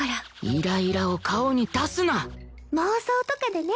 イライラを顔に出すな！妄想とかでね！